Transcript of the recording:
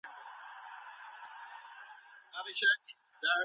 لوی هدفونه یوازي په لیاقت پوري نه سي تړل کېدلای.